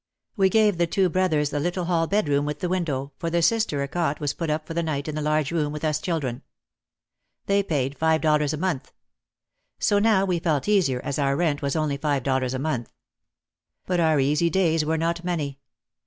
We gave the two brothers the little hall bedroom with the window, for the sister a cot was put up for the night in the large room with us children. They paid fiye dol lars a month. So now we felt easier as our rent was only five dollars a month. But our easy days were not many.